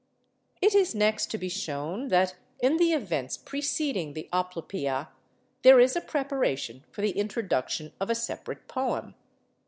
It is next to be shown that in the events preceding the 'Oplopœia,' there is a preparation for the introduction of a separate poem.